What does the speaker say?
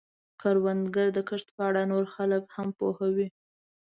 کروندګر د کښت په اړه نور خلک هم پوهوي